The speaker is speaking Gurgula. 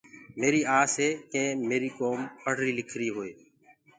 ميري آس هي ڪي ميري ڪوم پڙريٚ لکريٚ هوئي۔